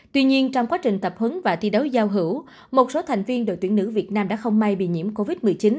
tuy nhiên trong quá trình tập huấn và thi đấu giao hữu một số thành viên đội tuyển nữ việt nam đã không may bị nhiễm covid một mươi chín